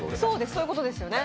そういうことですよね。